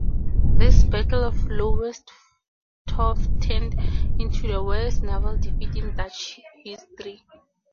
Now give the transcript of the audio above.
This Battle of Lowestoft turned into the worst naval defeat in Dutch history.